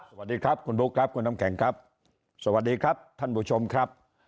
สวัสดีครับคุณบุ๊คครับคุณน้ำแข็งครับสวัสดีครับท่านผู้ชมครับ